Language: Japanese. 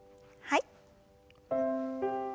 はい。